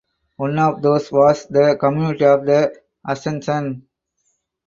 One of those was the Community of the Ascension.